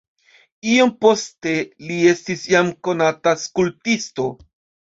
Iom poste li estis jam konata skulptisto.